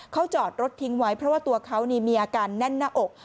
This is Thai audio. เขาจอดรถทิ้งไว้เพราะว่าตัวเขามีอาการแน่นหน้าอก